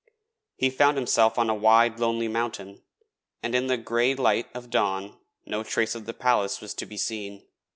He found himself on a wide, lonely mountain, and in the grey light of dawn no trace of the palace was to be seen.